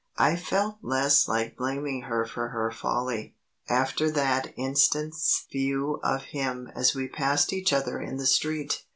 I felt less like blaming her for her folly, after that instant's view of him as we passed each other in the street.